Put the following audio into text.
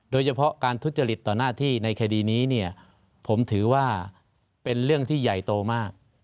โดยเฉพาะการทุจริตต่อหน้าที่ในคดีนี้เนี่ยผมถือว่าเป็นเรื่องที่ใหญ่โตมาก